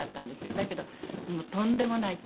だけど「もうとんでもない」って。